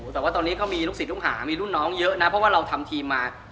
แต่ว่าตอนนี้ก็มีลูกศิษย์ลูกหามีรุ่นน้องเยอะนะเพราะว่าเราทำทีมมา